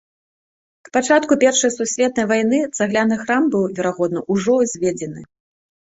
К пачатку першай сусветнай вайны цагляны храм быў, верагодна, ужо ўзведзены.